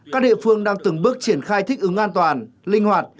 các địa phương đang từng bước triển khai thích ứng an toàn linh hoạt